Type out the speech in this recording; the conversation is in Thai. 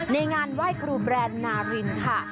ในงานไหว้ครูแบรนด์นารินค่ะ